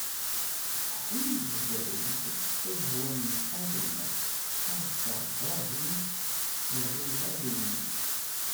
Yettkeḥḥil Belɛid, Tazehwanit Faḍila, Taḍsa Brahim, Lɣiḍa Lewnis.